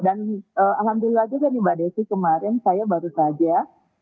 alhamdulillah juga nih mbak desi kemarin saya baru saja